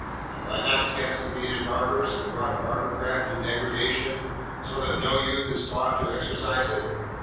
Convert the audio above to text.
Have I not castigated barbers, and brought barbercraft to degradation, so that no youth is taught to exercise it?